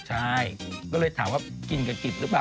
ใช่ก็เลยถามว่ากินกะกิสรึเปล่า